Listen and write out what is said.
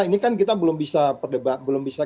ini kan kita belum bisa